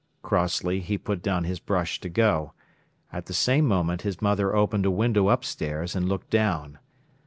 Crossly he put down his brush to go. At the same moment his mother opened a window upstairs and looked down.